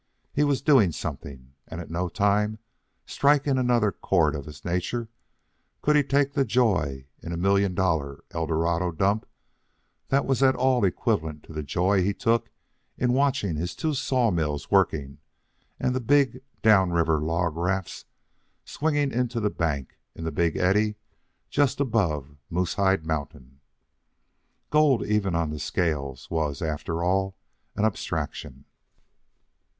He was doing something. And at no time, striking another chord of his nature, could he take the joy in a million dollar Eldorado dump that was at all equivalent to the joy he took in watching his two sawmills working and the big down river log rafts swinging into the bank in the big eddy just above Moosehide Mountain. Gold, even on the scales, was, after all, an abstraction.